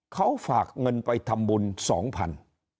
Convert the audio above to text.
เขาฝากเงินไปทำบุญสองพัน